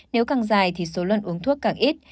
nếu càng dài thì số lần uống thuốc càng ít